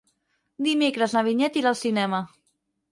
Dimecres na Vinyet irà al cinema.